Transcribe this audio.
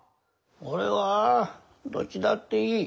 俺はどっちだっていい。